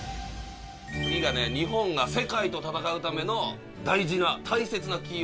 次がね日本が世界と戦うための大事な大切なキーワード。